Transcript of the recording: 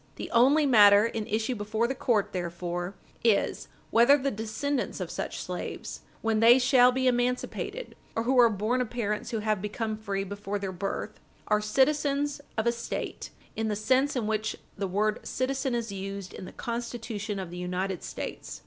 The only matter in issue before the court, therefore, is, whether the descendants of such slaves, when they shall be emancipated, or who are born of parents who had become free before their birth, are citizens of a State in the sense in which the word "citizen" is used in the Constitution of the United States.